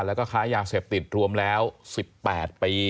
แล้วก็ค้ายาเสพติดรวมแล้ว๑๘ปี